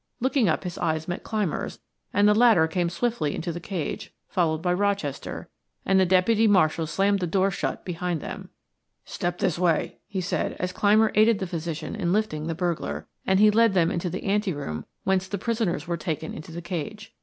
Looking up his eyes met Clymer's, and the latter came swiftly into the cage, followed by Rochester, and the deputy marshal slammed the door shut behind them. "Step out this way," he said, as Clymer aided the physician in lifting the burglar, and he led them into the ante room whence prisoners were taken into the cage.